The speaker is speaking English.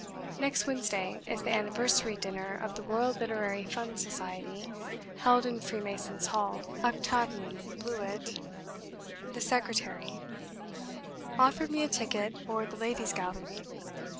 Next Wednesday is the anniversary dinner of the Royal Literary Fund Society, held in Freemasons' Hall. Octavian Blewitt, the secretary, offered me a ticket for the ladies' gallery.